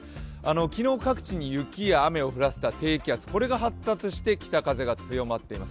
昨日各地に雪や雨を降らせた低気圧、これが発達して北風が強まっています。